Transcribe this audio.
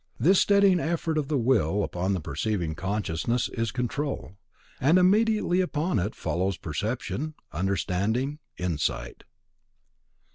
This steadying effort of the will upon the perceiving consciousness is Control, and immediately upon it follows perception, understanding, insight.